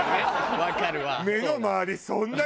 わかるわ。